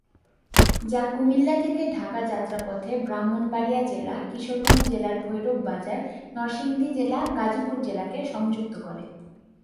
যা কুমিল্লা থেকে ঢাকা যাত্রাপথে ব্রাহ্মণবাড়িয়া জেলা, কিশোরগঞ্জ জেলার ভৈরব বাজার, নরসিংদী জেলা, গাজীপুর জেলাকে সংযুক্ত করে।